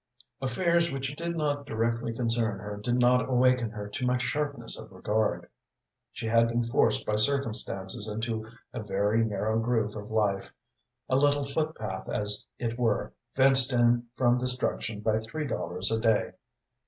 Affairs which did not directly concern her did not awaken her to much sharpness of regard. She had been forced by circumstances into a very narrow groove of life, a little foot path as it were, fenced in from destruction by three dollars a day.